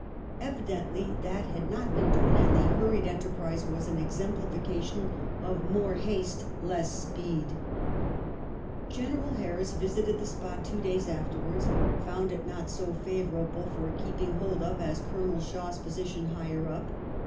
Evidently that had not been done, and the hurried enterprise was an exemplification of " more haste less speed." General Harris, visiting the spot two days afterwards, found it not so favourable for keeping hold of as Colonel Shaw's position higher up.